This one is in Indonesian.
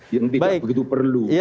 yang tidak begitu perlu